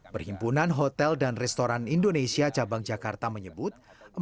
perhimpunan hotel dan restoran indonesia cabang jakarta menyebut